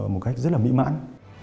một cách rất là mỹ mãn